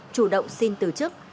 chủ động xin từ chức